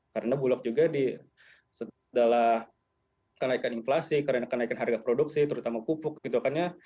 karena bulog juga setelah kenaikan inflasi kenaikan harga produksi terutama pupuk gitu kan ya